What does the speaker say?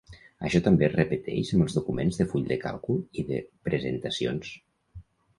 Això també es repeteix amb els documents de full de càlcul i de presentacions.